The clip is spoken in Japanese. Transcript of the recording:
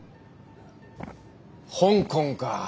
香港か。